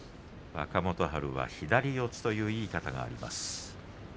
若元春は左四つといういい形があります。